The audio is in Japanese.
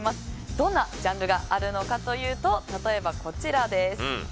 どんなジャンルがあるのかというと、例えばこちら。